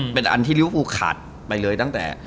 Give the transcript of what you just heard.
เป็นอันที่ริวฟูขาดไปเลยตั้งแต่